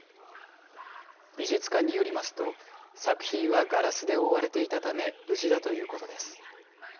美術館によりますと作品はガラスで覆われていたため無事だということです。